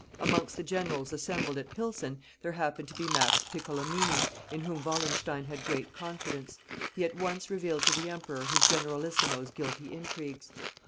Amongst the generals assembled at Pilsen there happened to be Max Piccolomini, in whom Wallenstein had great confidence: he at once revealed to the emperor his generalissimo's guilty intrigues.